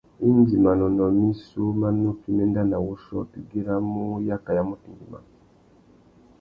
Indi manônōh missú má nukí mà enda nà wuchiô, tu güiramú yaka ya mutu ngüimá.